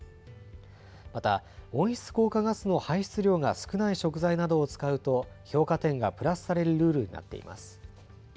また温室効果ガスの排出量が少ない食材などを使うと評価点がプラスされるルールになっています。